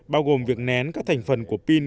bao gồm việc nén các thành phần của pin